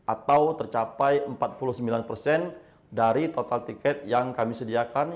atau tercapai empat puluh sembilan persen dari total tiket yang kami sediakan